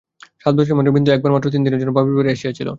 সাত বছরের মধ্যে বিন্দু একবার মাত্র তিনদিনের জন্য বাপের বাড়ি আসিয়াছিল।